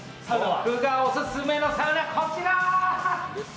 僕がオススメのサウナ、こちら。